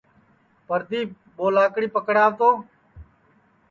پردیپ ٻو لاکڑی پکڑاو تو